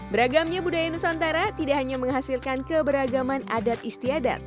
beragamnya budaya nusantara tidak hanya menghasilkan keberagaman adat istiadat